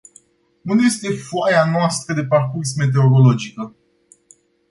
Unde este foaia noastră de parcurs meteorologică?